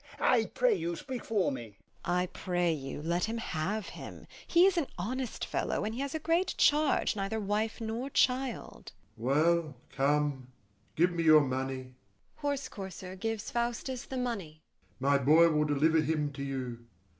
I pray you, speak for me. MEPHIST. I pray you, let him have him: he is an honest fellow, and he has a great charge, neither wife nor child. FAUSTUS. Well, come, give me your money [HORSE COURSER gives FAUSTUS the money]: my boy will deliver him to you.